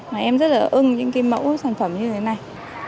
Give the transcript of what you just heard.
mà em rất là ưng những cái mẫu sản phẩm như thế này